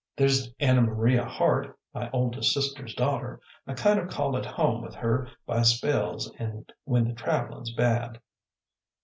"There's Ann Maria Hart, my oldest sister's daughter. I kind of call it home with her by spells and when the travelin' 's bad."